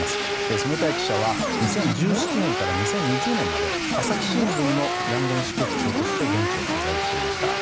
染田屋記者は２０１７年から２０２０年まで朝日新聞のヤンゴン支局長として現地を取材していました。